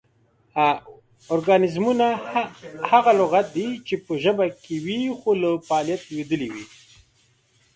ارکانیزمونه: هغه لغات دي چې پۀ ژبه کې وي خو لۀ فعالیت لویدلي وي